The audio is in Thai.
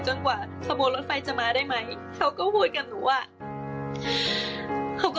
ตอนนั้นตอนนี้ผมเป็นตัวผิดหวังมาก